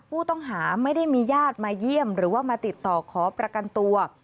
ผู้ต้องหาไม่ได้มีญาติมาเยี่ยมหรือว่ามาติดต่อขอประกันตัว